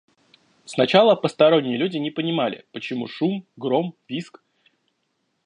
Сначала посторонние люди не понимали: почему шум, гром, визг?